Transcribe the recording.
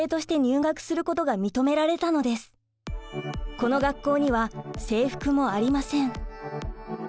この学校には制服もありません。